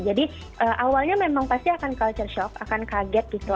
jadi awalnya memang pasti akan culture shock akan kaget gitu